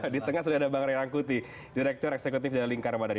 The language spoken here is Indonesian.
di tengah sudah ada bang ray rangkuti direktur eksekutif dari lingkar madani